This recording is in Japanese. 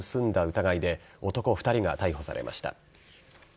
疑いで男２人が逮捕されました。